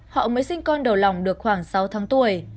họ mới sinh con đầu lòng được khoảng sáu tháng tuổi